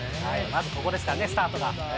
まず、ここですからね、スタートが。